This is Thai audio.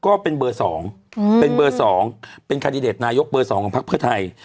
ก็เป็นเบอร์๒เป็นเบอร์๒เป็นคันดิเดตนายกเบอร์๒ของพักเพื่อไทย